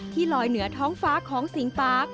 ที่ลอยเหนือท้องฟ้าของสิงค์ปา